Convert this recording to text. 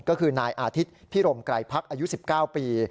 ก็คือนายอาทิตย์พิรมไกรพักอายุ๑๙ปี